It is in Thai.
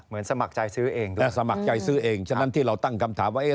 เหมือนสมัครใจซื้อเองและสมัครใจซื้อเองฉะนั้นที่เราตั้งคำถามว่าเอ๊ะ